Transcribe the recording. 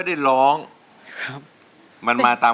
จะใช้หรือไม่ใช้ครับ